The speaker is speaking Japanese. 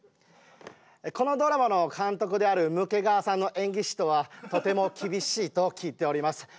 このドラマの監督であるムケガワさんの演技指導はとても厳しいと聞いております。